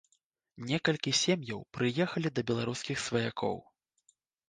Некалькі сем'яў прыехалі да беларускіх сваякоў.